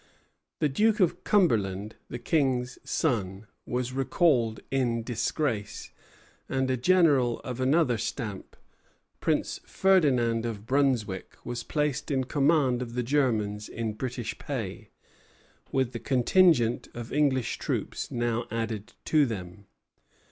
The Duke of Cumberland, the King's son, was recalled in disgrace, and a general of another stamp, Prince Ferdinand of Brunswick, was placed in command of the Germans in British pay, with the contingent of English troops now added to them.